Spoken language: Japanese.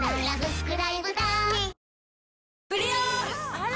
あら！